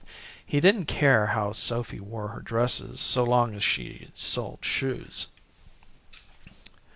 He didn't care how Sophy wore her dresses so long as she sold shoes.